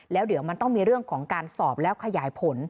แล้วเดี๋ยวมันต้องมีเรื่องของการสอบแล้วขยายผล